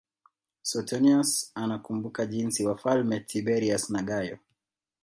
Suetonius anakumbuka jinsi Wafalme Tiberius na Gayo